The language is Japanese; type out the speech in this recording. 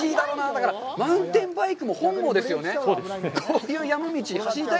だからマウンテンバイクも本望ですよね？